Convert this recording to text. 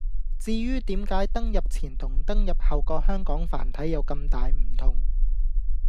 至於點解登入前同登入後個「香港繁體」有咁大唔同